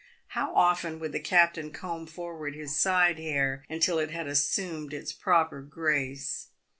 How often would the captain comb forward his side hair until it had assumed its proper grace.